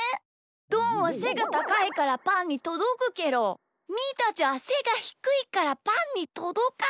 どんはせがたかいからパンにとどくけどみーたちはせがひくいからパンにとどかないんだ。